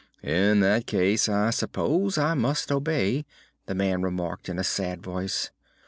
"In that case, I suppose I must obey," the man remarked, in a sad voice.